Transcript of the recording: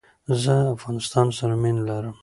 زه افغانستان سر مینه لرم